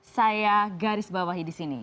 saya garis bawahi di sini